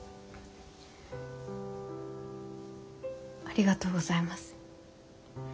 ありがとうございます。